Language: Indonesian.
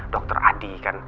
dr adi kan